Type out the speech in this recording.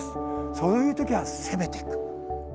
そういう時は攻めてく。